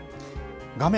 画面